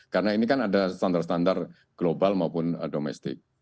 karena ini kan ada standar standar global maupun domestik